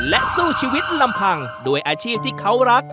และสู้ชีวิตลำพังด้วยอาชีพที่เขารัก